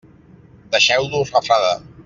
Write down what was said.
Deixeu-los refredar.